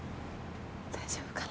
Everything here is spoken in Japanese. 大丈夫かな？